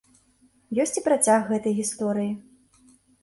Ёсць і працяг гэтай гісторыі.